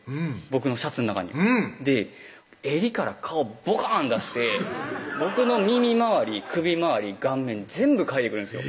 僕のシャツの中にで襟から顔ボカーン出して僕の耳周り・首周り・顔面全部嗅いでくるんですよ